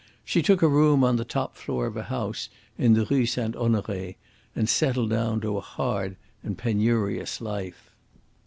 She took a room on the top floor of a house in the Rue St. Honore and settled down to a hard and penurious life.